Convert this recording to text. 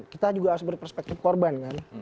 kita juga harus berperspektif korban kan